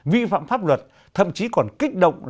vi phạm pháp luật thậm chí còn kích động